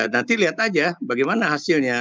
nanti lihat aja bagaimana hasilnya